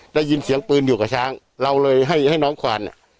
ได้ยินเสียงปืนอยู่กับช้างเราเลยให้ให้น้องควานอ่ะ